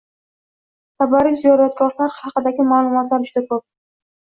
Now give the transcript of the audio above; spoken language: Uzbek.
Tabarruk ziyoratgohlar haqidagi ma’lumotlar juda ko‘p.